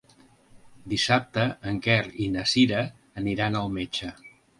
Dissabte en Quer i na Cira aniran al metge.